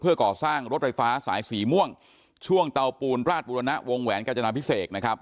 ก่อสร้างรถไฟฟ้าสายสีม่วงช่วงเตาปูนราชบุรณะวงแหวนกาจนาพิเศษนะครับ